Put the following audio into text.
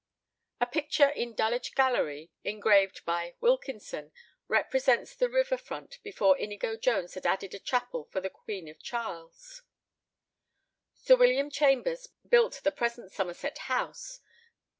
A picture in Dulwich Gallery (engraved by Wilkinson) represents the river front before Inigo Jones had added a chapel for the queen of Charles I. Sir William Chambers built the present Somerset House.